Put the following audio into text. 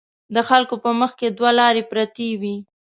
د خلکو په مخکې دوه لارې پرتې وي.